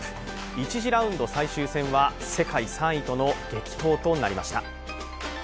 １次ラウンド最終戦は世界３位との激闘となりました。